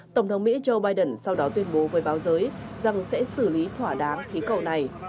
tổng thống mỹ joe biden sau đó tuyên bố với báo giới rằng sẽ xử lý thỏa đáng khí cầu này